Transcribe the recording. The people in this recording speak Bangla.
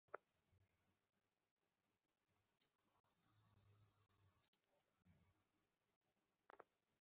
দৌড়ে বাসায় ফিরতে ফিরতে তার মনে হলো, একটা দুঃস্বপ্নের ভেতর দিয়ে যাচ্ছে সে।